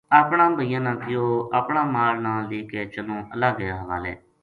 اپنا بھائیاں نا کہیو اپنا مال نا لے کے چلوں اللہ کے حوالے